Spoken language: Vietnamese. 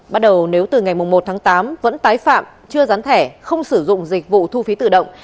bắt đầu nếu từ ngày một tháng tám vẫn tái phạm chưa rán thẻ không sử dụng dịch vụ thu phí tự động